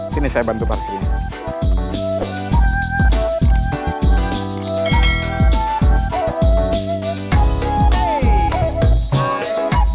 sini saya bantu pake ini